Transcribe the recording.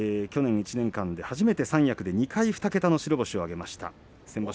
去年１年間で初めて三役で２回２桁の白星を挙げました。